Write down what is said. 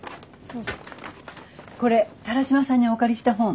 これ田良島さんにお借りした本。